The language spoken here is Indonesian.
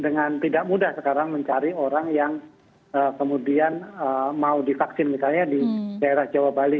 dengan tidak mudah sekarang mencari orang yang kemudian mau divaksin misalnya di daerah jawa bali